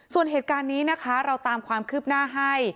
ส่วนเหตุการณ์นี้นะคะเราตามความคืบหน้าให้